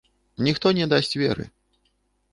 Ніхто не дасць веры.